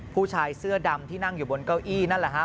ผู้ชายเสื้อดำที่นั่งอยู่บนเก้าอี้นั่นแหละฮะ